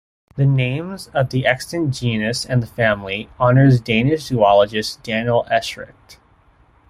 The names of the extant genus and the family honours Danish zoologist Daniel Eschricht.